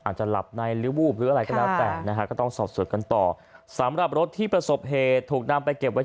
จังหวะที่เห็นมาก